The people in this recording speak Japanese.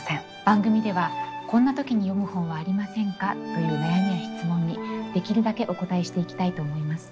番組では「こんな時に読む本はありませんか？」という悩みや質問にできるだけお応えしていきたいと思います。